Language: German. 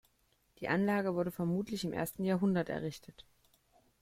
Die Anlage wurde vermutlich im ersten Jahrhundert errichtet.